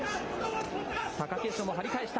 貴景勝も張り返した。